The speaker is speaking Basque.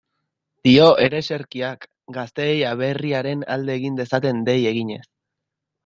Dio ereserkiak, gazteei aberriaren alde egin dezaten dei eginez.